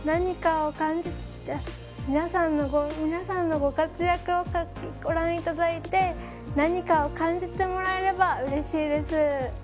皆さんのご活躍をご覧いただいて何かを感じてもらえればうれしいです。